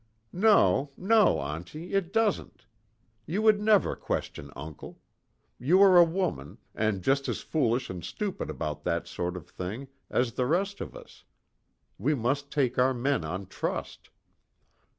"No, no, auntie, it doesn't. You would never question uncle. You are a woman, and just as foolish and stupid about that sort of thing as the rest of us. We must take our men on trust.